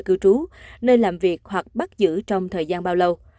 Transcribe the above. cư trú nơi làm việc hoặc bắt giữ trong thời gian bao lâu